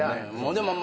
でも。